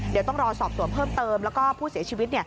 เดี๋ยวต้องรอสอบสวนเพิ่มเติมแล้วก็ผู้เสียชีวิต